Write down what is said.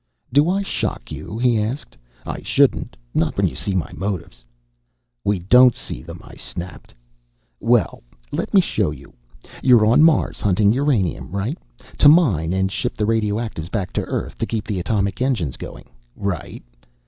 "Do I shock you?" he asked. "I shouldn't not when you see my motives." "We don't see them," I snapped. "Well, let me show you. You're on Mars hunting uranium, right? To mine and ship the radioactives back to Earth to keep the atomic engines going. Right?"